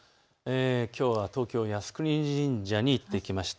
きょうは東京、靖国神社に行ってきました。